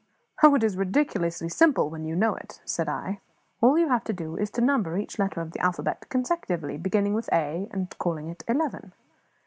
"Oh, it is ridiculously simple, when you know it," said I. "All you have to do is to number each letter of the alphabet consecutively, beginning with A and calling it eleven.